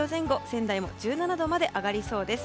仙台も１７度まで上がりそうです。